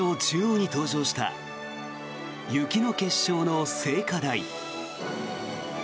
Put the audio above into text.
中央に登場した雪の結晶の聖火台。